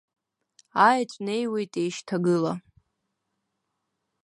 Аеҵә неиуеит еишьҭагыла.